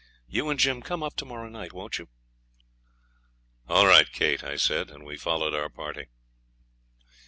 You and Jim come up to morrow night, won't you?' 'All right, Kate,' I said, and we followed our party.